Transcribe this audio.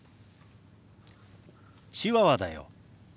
チワワだよ。